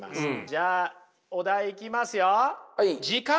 じゃあお題いきますよ。